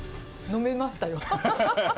飲めました。